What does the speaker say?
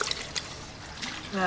ああ。